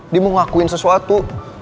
dia mau ngakuin sesuatu